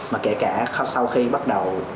mà kể cả sau khi bắt đầu